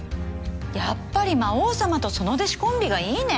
やっぱり魔王様とその弟子コンビがいいね。